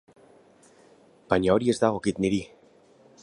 Baina hori ez dagokit niri.